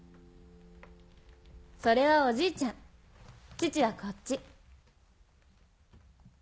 それはおじいちゃん父はこっち。